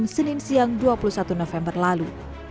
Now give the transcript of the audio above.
senin siang dua puluh satu november lalu